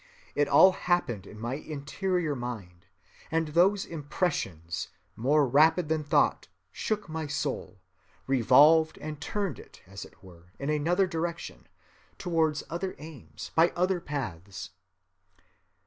It all happened in my interior mind; and those impressions, more rapid than thought, shook my soul, revolved and turned it, as it were, in another direction, towards other aims, by other paths.